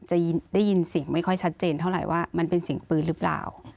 จะได้ยินเสียงไม่ค่อยชัดเจนเท่าไหร่ว่ามันเป็นเสียงปืนหรือเปล่า